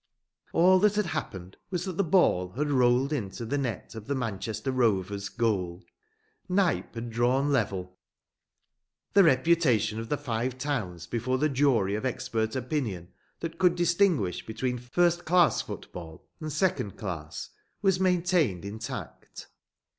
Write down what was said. All that had happened was that the ball had rolled into the net of the Manchester Rovers' goal. Knype had drawn level. The reputation of the Five Towns before the jury of expert opinion that could distinguish between first class football and second class was maintained intact.